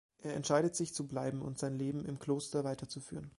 Er entscheidet sich zu bleiben und sein Leben im Kloster weiterzuführen.